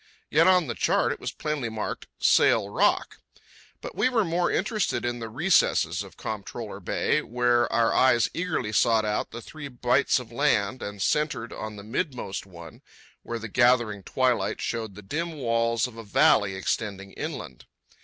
Yet on the chart it was plainly marked, "Sail Rock." But we were more interested in the recesses of Comptroller Bay, where our eyes eagerly sought out the three bights of land and centred on the midmost one, where the gathering twilight showed the dim walls of a valley extending inland.